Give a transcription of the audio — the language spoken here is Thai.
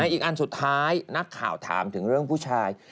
อีกอันสุดท้ายนักข่าวถามถึงเรื่องผู้ชาย